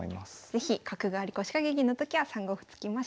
是非角換わり腰掛け銀のときは３五歩突きましょう。